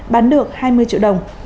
bán được hai mươi triệu đồng